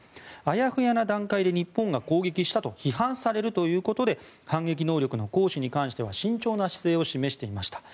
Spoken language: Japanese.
あやふやな段階で日本が攻撃したと批判されるということで反撃能力の行使については慎重な姿勢を示していました。